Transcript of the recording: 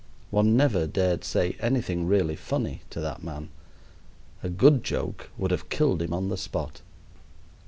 One never dared say anything really funny to that man. A good joke would have killed him on the spot.